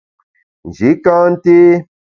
Nji ka nté.